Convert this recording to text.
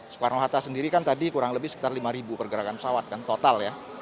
soekarno hatta sendiri kan tadi kurang lebih sekitar lima pergerakan pesawat kan total ya